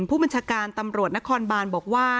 ผู้บัญชาการตำรวจนครบานบอกว่า